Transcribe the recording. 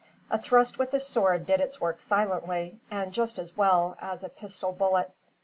A thrust with a sword did its work silently, and just as well as a pistol bullet.